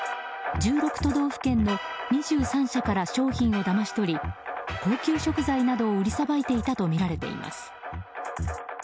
１６都道府県の２３社から商品をだまし取り高級食材など売りさばいていたとみられています。